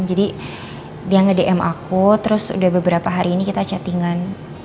jadi dia nge dm aku terus udah beberapa hari ini kita chattingan